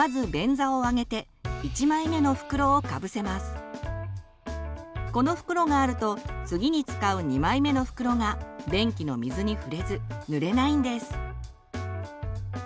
まずこの袋があると次に使う２枚目の袋が便器の水に触れずぬれないんです。